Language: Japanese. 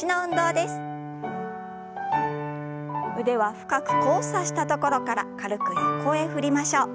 腕は深く交差したところから軽く横へ振りましょう。